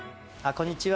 こんにちは。